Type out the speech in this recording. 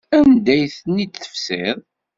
Anda ay ten-id-tefsiḍ?